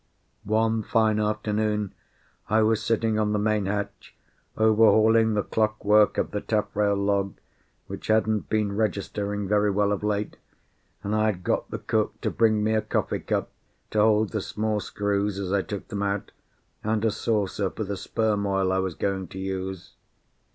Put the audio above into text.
One fine afternoon I was sitting on the main hatch, overhauling the clockwork of the taffrail log, which hadn't been registering very well of late, and I had got the cook to bring me a coffee cup to hold the small screws as I took them out, and a saucer for the sperm oil I was going to use.